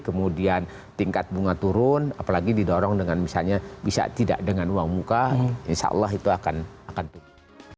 kemudian tingkat bunga turun apalagi didorong dengan misalnya bisa tidak dengan uang muka insya allah itu akan turun